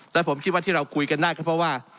และผมคิดว่าที่เราคุยกันได้ก็เพราะว่า